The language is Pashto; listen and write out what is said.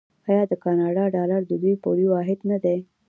آیا د کاناډا ډالر د دوی پولي واحد نه دی؟